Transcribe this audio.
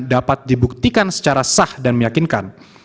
dapat dibuktikan secara sah dan meyakinkan